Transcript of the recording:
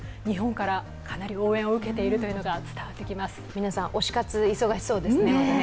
皆さん、推し活、忙しそうですね。